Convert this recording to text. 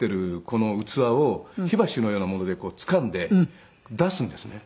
この器を火箸のようなもので掴んで出すんですね。